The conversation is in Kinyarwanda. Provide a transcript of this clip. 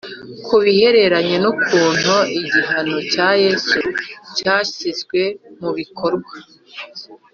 Ku bihereranye n ukuntu igihano cya Yesu cyashyizwe mu bikorwa